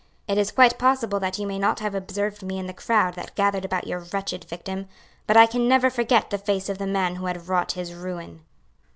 It is quite possible that you may not have observed me in the crowd that gathered about your wretched victim; but I can never forget the face of the man who had wrought his ruin."